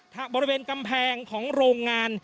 บริเวณกำแพงของโรงงาน